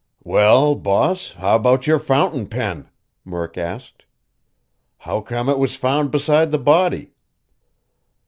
"Well, boss, how about your fountain pen?" Murk asked. "How come it was found beside the body?"